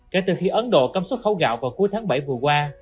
kể từ khi ấn độ cấm xuất khẩu gạo vào cuối tháng bảy vừa qua